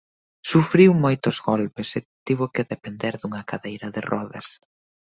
Sufriu moitos golpes e tivo que depender dunha cadeira de rodas.